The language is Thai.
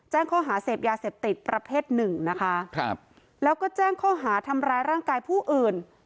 แจ้งข้อหาเสพยาเสพติดประเภทหนึ่งนะคะครับแล้วก็แจ้งข้อหาทำร้ายร่างกายผู้อื่น